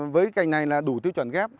với cành này là đủ tiêu chuẩn ghép